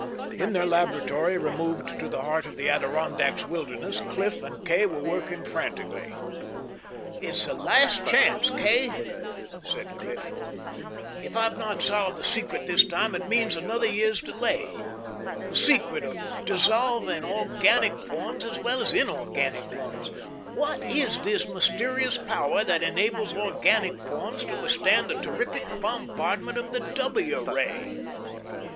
In their laboratory, removed to the heart of the Adirondacks wilderness, Cliff and Kay were working frantically. "It's the last chance, Kay," said Cliff. "If I've not solved the secret this time, it means another year's delay. The secret of dissolving organic forms as well as inorganic ones! What is this mysterious power that enables organic forms to withstand the terrific bombardment of the W ray?"